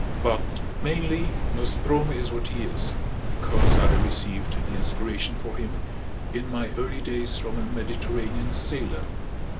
But mainly Nostromo is what he is because I received the inspiration for him in my early days from a Mediterranean sailor.